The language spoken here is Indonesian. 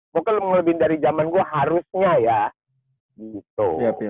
mungkin lebih dari zaman gue harusnya ya gitu